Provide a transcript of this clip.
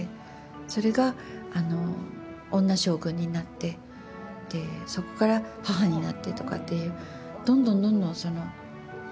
それが女将軍になってそこから母になってとかっていう。